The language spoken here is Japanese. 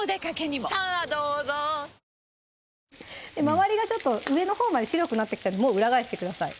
周りがちょっと上のほうまで白くなってきたらもう裏返してください